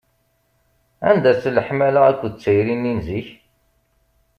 Anda-tt leḥmala akked tayri-nni n zik?